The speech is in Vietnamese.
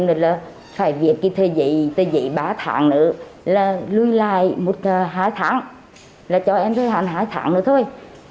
anh nói là phải viết cái giấy ba tháng nữa là lưu lại hai tháng là cho em thời gian hai tháng nữa thôi